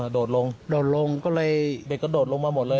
โดดลงเด็กก็โดดลงมาหมดเลย